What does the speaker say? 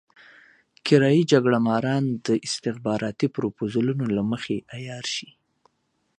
کرايه يي جګړه ماران د استخباراتي پروپوزلونو له مخې عيار شي.